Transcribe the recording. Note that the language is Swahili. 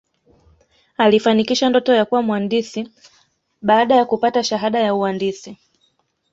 aliifanikisha ndoto ya kuwa mwandisi baada ya kupata shahada ya uandisi